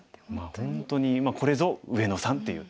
本当にこれぞ上野さんっていう。